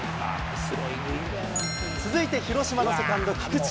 続いて広島のセカンド、菊池。